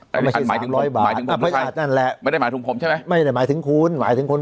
ไม่ใช่สามร้อยบาทไม่ได้หมายถึงผมใช่ไหมไม่ได้หมายถึงผมใช่ไหม